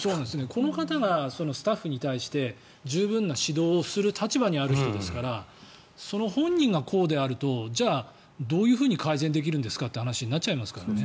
この方がスタッフに対して十分な指導をする立場にある人ですから本人がこうであるとじゃあ、どういうふうに改善できるんですかって話になっちゃいますからね。